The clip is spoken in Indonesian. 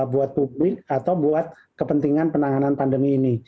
buat publik atau buat kepentingan penanganan pandemi ini